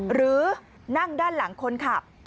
หรือนั่งด้านหลังคนขับ